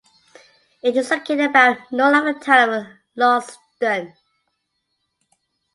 It is located about north of the town of Launceston.